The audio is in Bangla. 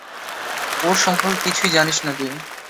ওর সম্পর্কে কিছুই জানিস না তুই।